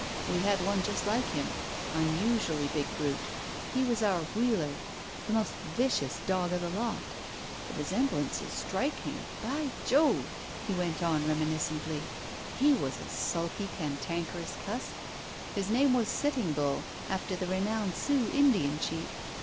We had one just like him. Unusually big brute. He was our 'wheeler.' The most vicious dog of the lot. The resemblance is striking. By Jove!" he went on reminiscently, "he was a sulky, cantankerous cuss. His name was 'Sitting Bull,' after the renowned Sioux Indian chief.